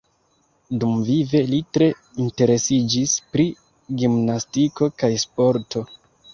Dumvive li tre interesiĝis pri gimnastiko kaj sporto.